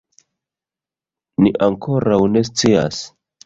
Ni ankoraŭ ne scias